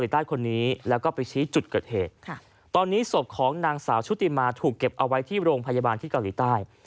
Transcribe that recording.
ตอนนี้ศพของนางสาวชุติมาถูกเก็บเอาไว้ที่โรงพยาบาลที่เกาหลีใต้